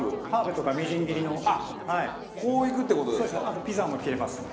あとピザも切れますね。